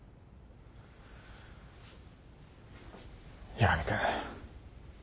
八神君。